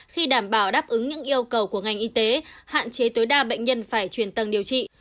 khi đảm bảo đáp ứng những yêu cầu của ngành y tế hạn chế tối đa bệnh nhân phải chuyển tầng điều trị